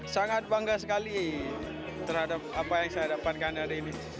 sangat bangga sekali terhadap apa yang saya dapatkan hari ini